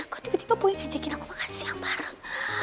kok tiba tiba boy ngajakin aku makan siang bareng